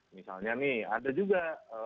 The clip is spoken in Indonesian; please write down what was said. misalnya nih ada juga